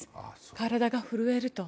体が震えると。